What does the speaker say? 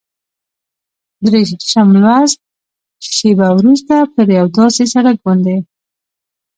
دېرشم فصل، شېبه وروسته پر یو داسې سړک باندې.